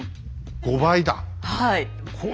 ５倍だ！